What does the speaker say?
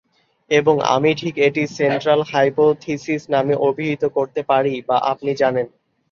এবং আমি ঠিক এটি 'সেন্ট্রাল হাইপোথিসিস' নামে অভিহিত করতে পারি বা আপনি জানেন।